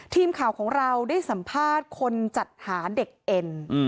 ทีมข่าวของเราได้สัมภาษณ์คนจัดหาเด็กเอ็น